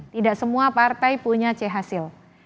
tidak semua partai punya c hasil